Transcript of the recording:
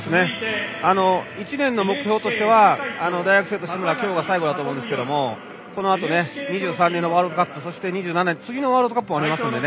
１年の目標としては大学生としては今日が最後だと思いますがこのあと２３年のワールドカップそして２７年の次のワールドカップもありますのでね。